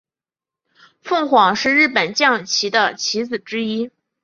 凤凰是日本将棋的棋子之一。